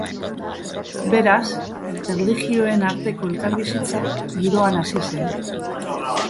Beraz, erlijioen arteko elkarbizitza giroan hazi zen.